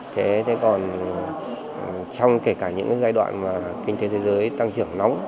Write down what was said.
thế còn trong kể cả những giai đoạn mà kinh tế thế giới tăng trưởng nóng